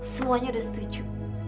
semuanya udah setuju